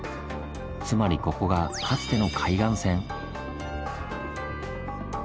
つまりここがかつての海岸線！